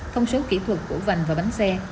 thông số kỹ thuật của vành và bánh xe